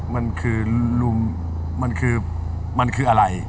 มันคือลุงมันคือมันคืออะไร